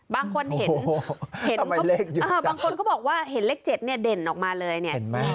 บางคนเห็นบางคนก็บอกว่าเห็นเลข๗เนี่ยเด่นออกมาเลยเนี่ย